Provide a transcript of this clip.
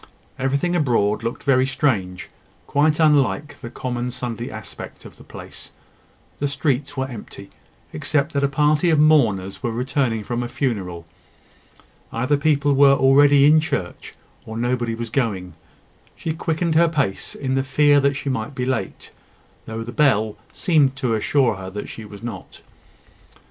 Everything abroad looked very strange quite unlike the common Sunday aspect of the place. The streets were empty, except that a party of mourners were returning from a funeral. Either people were already all in church, or nobody was going. She quickened her pace in the fear that she might be late, though the bell seemed to assure her that she was not.